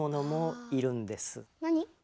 何？